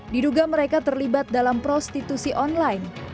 diduga mereka terlibat dalam prostitusi online